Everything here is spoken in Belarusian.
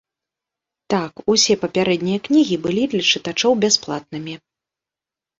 Так, усе папярэднія кнігі былі для чытачоў бясплатнымі.